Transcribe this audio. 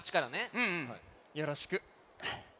うんうんよろしく。